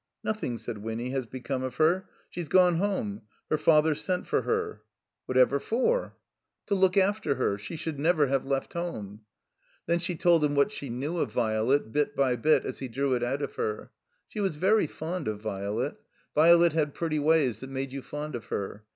"Nothing," said Winny, has become of her. She's gone home. Her father sent for her." "What ever for?" 7 91 THE COMBINED MAZE ''To look after her. She never should have left home." Then she told him what she knew of Violet, bit by bit, as he drew it out of her. She was very fond of Violet. Violet had pretty ways that made you fond of her.